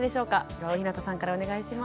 では大日向さんからお願いします。